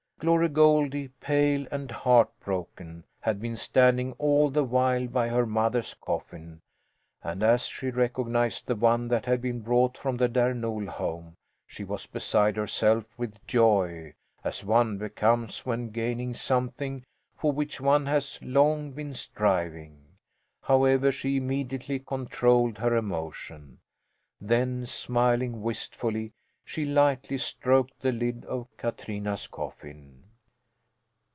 Glory Goldie, pale and heart broken, had been standing all the while by her mother's coffin, and as she recognized the one that had been brought from the Där Nol home she was beside herself with joy as one becomes when gaining something for which one has long been striving. However, she immediately controlled her emotion. Then, smiling wistfully, she lightly stroked the lid of Katrina's coffin.